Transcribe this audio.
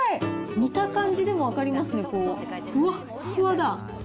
見た感じでも分かりますね、こう、ふわっふわだ。